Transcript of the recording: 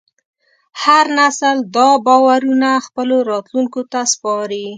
هر نسل دا باورونه خپلو راتلونکو ته سپاري.